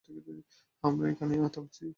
আমরা এখানেই থামছি।